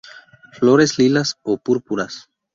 Flores lilas o púrpuras.